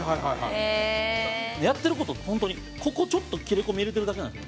水田：やってる事、本当にここ、ちょっと切れ込み入れてるだけなんです。